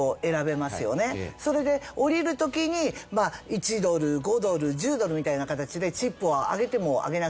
それで降りる時に１ドル５ドル１０ドルみたいな形でチップをあげてもあげなくてもいい。